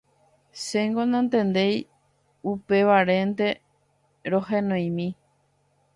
Chéngo nantendéi upévarente rohenoimi.